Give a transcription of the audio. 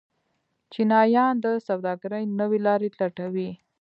چینایان د سوداګرۍ نوې لارې لټوي.